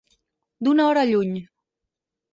D'una hora lluny.